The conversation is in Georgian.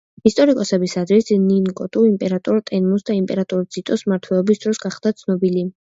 ისტორიკოსების აზრით, ნინტოკუ იმპერატორ ტენმუს და იმპერატორ ძიტოს მმართველობის დროს გახდა ცნობილი.